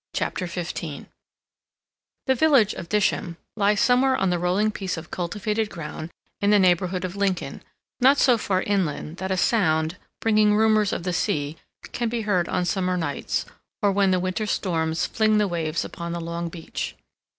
CHAPTER XV The village of Disham lies somewhere on the rolling piece of cultivated ground in the neighborhood of Lincoln, not so far inland but that a sound, bringing rumors of the sea, can be heard on summer nights or when the winter storms fling the waves upon the long beach.